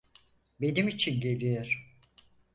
Benim için geliyor.